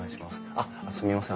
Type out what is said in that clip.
あっすみません